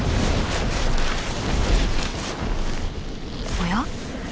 おや？